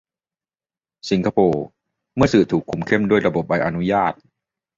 สิงคโปร์ เมื่อสื่อถูกคุมเข้มด้วยระบบใบอนุญาต